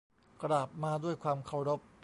กราบมาด้วยความเคารพ